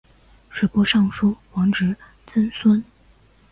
吏部尚书王直曾孙。